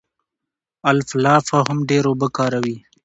الفالفا هم ډېره اوبه کاروي.